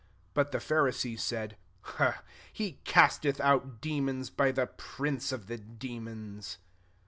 34 But the Pharisees said, "He casteth out denions by the prince of the demons.